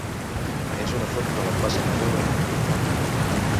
és una foto de la plaça major de Domenyo.